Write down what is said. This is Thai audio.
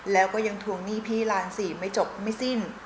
แล้วก็ยังทวงหนี้พี่ล้านสี่ไม่จบไม่สิ้น